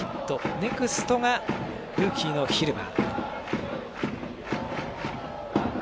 ネクストが、ルーキーの蛭間。